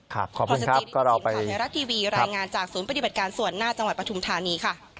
ขอบคุณครับก็เราไป